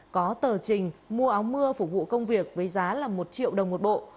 có tờ trình mua áo mưa phục vụ công việc với giá là một triệu đồng một bộ